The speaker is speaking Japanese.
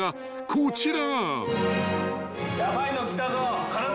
こちら。